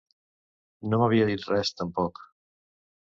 No m'havia dit res, tampoc.